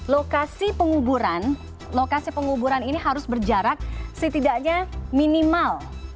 lokasi penguburan lokasi penguburan ini harus berjarak setidaknya minimal